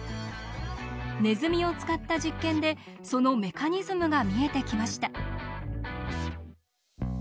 ネズミを使った実験でそのメカニズムが見えてきました。